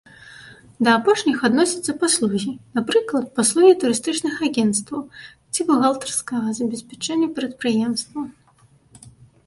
Да апошніх адносяцца паслугі, напрыклад, паслугі турыстычных агенцтваў ці бухгалтарскага забеспячэння прадпрыемства.